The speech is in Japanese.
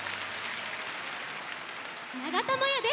ながたまやです。